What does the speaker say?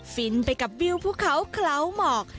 ฟินไปกับวิวภูเขาเคล้าหมอก